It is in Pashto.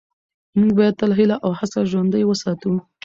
موږ باید تل هیله او هڅه ژوندۍ وساتو